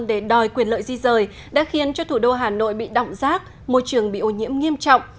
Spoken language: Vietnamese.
để đòi quyền lợi di rời đã khiến cho thủ đô hà nội bị động rác môi trường bị ô nhiễm nghiêm trọng